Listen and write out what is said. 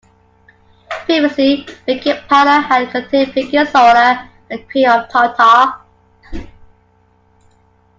Previously, baking powder had contained baking soda and cream of tartar.